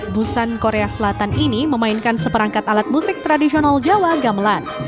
busan korea selatan ini memainkan seperangkat alat musik tradisional jawa gamelan